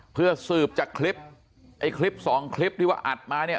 เพื่อสืบจากคลิป๒คลิปที่ว่าอัดมาเนี่ย